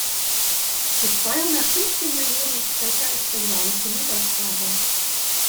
Für zweihundertfünfzehn Millionen Sprecher ist Bengalisch die Muttersprache.